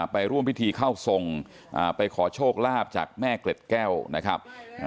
ไปร่วมพิธีเข้าทรงไปขอโชคลาภจากแม่เกล็ดแก้วนะครับ